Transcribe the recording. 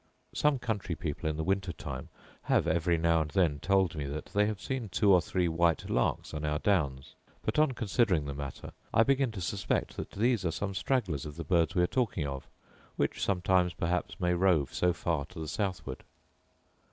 Some country people in the winter time have every now and then told me that they have seen two or three white larks on our downs; but on considering the matter, I begin to suspect that these are some stragglers of the birds we are talking of, which sometimes perhaps may rove so far to the southward.